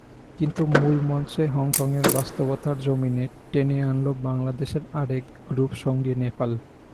কিন্তু মূল মঞ্চে হংকংকে বাস্তবতার জমিনে টেনে আনল বাংলাদেশের আরেক গ্রুপসঙ্গী নেপাল।